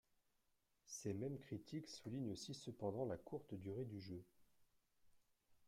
Ces mêmes critiques soulignent aussi cependant la courte durée du jeu.